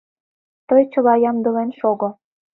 Тый чыла ямдылен шого.